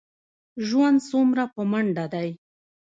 ژوند څومره په منډه دی.